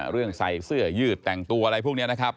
ใส่เสื้อยืดแต่งตัวอะไรพวกนี้นะครับ